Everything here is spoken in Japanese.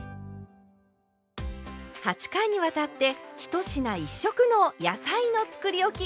８回にわたって「１品１色の野菜のつくりおき」